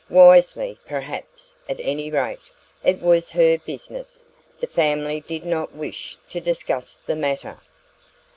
Wisely, perhaps; at any rate, it was her business; the family did not wish to discuss the matter.